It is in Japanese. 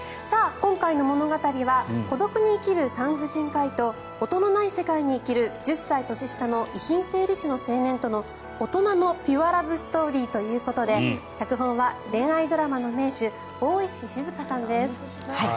今回の物語は孤独に生きる産婦人科医と音のない世界に生きる１０歳年下の遺品整理士との大人のピュアラブストーリーということで脚本は恋愛ドラマの名手大石静さんです。